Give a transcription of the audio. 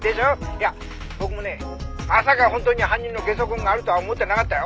いや僕もねまさか本当に犯人のゲソ痕があるとは思ってなかったよ」